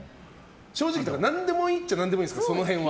正直何でもいいっちゃ何でもいいんですか、その辺は。